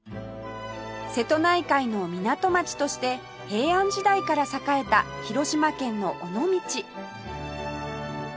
瀬戸内海の港町として平安時代から栄えた広島県の尾道